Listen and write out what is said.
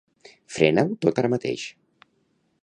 Frena-ho tot ara mateix.